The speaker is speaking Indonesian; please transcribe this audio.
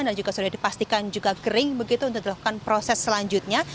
dan juga sudah dipastikan juga kering begitu untuk dilakukan proses selanjutnya